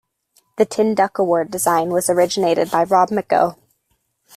The Tin Duck Award design was originated by Rob McGough.